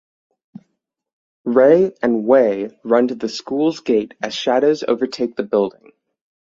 Ray and Wei run to the school’s gate as shadows overtake the building.